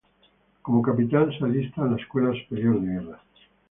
Como capitán se alista en la Escuela Superior de Guerra.